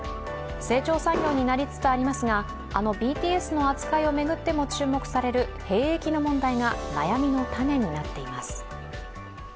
成長産業になりつつありますがあのＢＴＳの扱いを巡っても注目される兵役の問題が悩みの種になっています。